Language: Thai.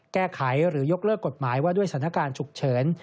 แก้ไขหรือยกเลิกกฎหมายว่าด้วยสถานการณ์ฉุกเฉิน